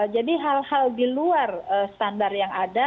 jadi hal hal di luar standar yang ada